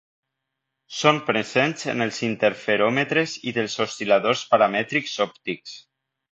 Són presents en els interferòmetres i dels oscil·ladors paramètrics òptics.